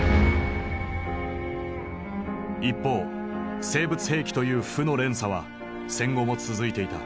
一方生物兵器という負の連鎖は戦後も続いていた。